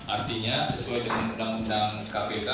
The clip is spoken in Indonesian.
artinya sesuai dengan undang undang kpk